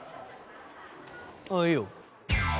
あっいいよ。